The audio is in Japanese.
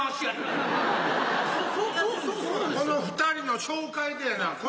この二人の紹介でやな